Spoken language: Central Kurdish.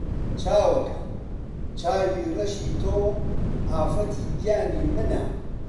چاوەکەم! چاوی ڕەشی تۆ ئافەتی گیانی منە